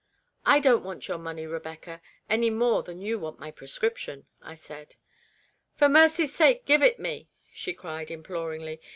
" I don't want your money, Rebecca, any more than you want my prescription," I said. " For mercy's sake give it me," she cried, imploringly.